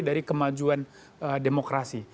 dari kemajuan demokrasi